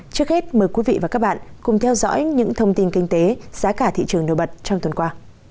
trước hết mời quý vị và các bạn cùng theo dõi những thông tin kinh tế giá cả thị trường đồ bật trong tuần qua